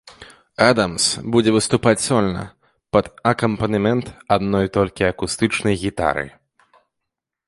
Адамс будзе выступаць сольна, пад акампанемент адной толькі акустычнай гітары.